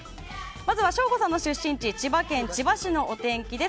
まずは省吾さんの出身地千葉県千葉市のお天気です。